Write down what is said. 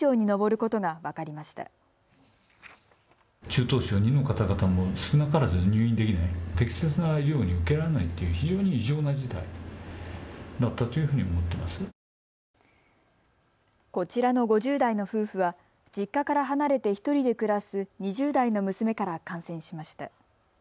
こちらの５０代の夫婦は実家から離れて１人で暮らす２０代の娘から感染しました。